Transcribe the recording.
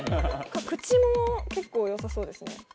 口も結構よさそうですね口元。